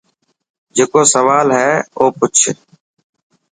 جڪو سوال هي او پڇ.